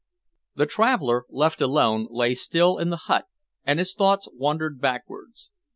The traveller, left alone, lay still in the hut, and his thoughts wandered backwards.